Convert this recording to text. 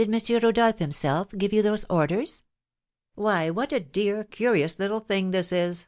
Rodolph, himself, give you those orders?" "Why, what a dear, curious little thing this is!"